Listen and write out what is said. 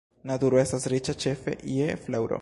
Naturo estas riĉa ĉefe je flaŭro.